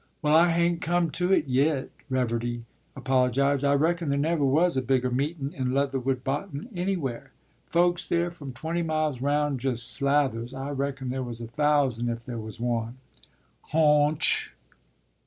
“Well, I hain't come to it yit,” Reverdy apologized. “I reckon there never was a bigger meetun' in Leatherwood Bottom, anywhere. Folks there from twenty mile round, just slathers; I reckon there was a thousand if there was one.” “Hoonch!